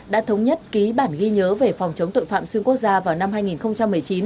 đã thống nhất ký bản ghi nhớ về phòng chống tội phạm xuyên quốc gia vào năm hai nghìn một mươi chín